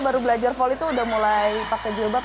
baru belajar volley tuh udah mulai pakai jilbab